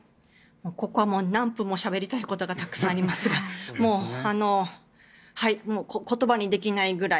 ここは何分もしゃべりたいことがたくさんありますが言葉にできないくらい。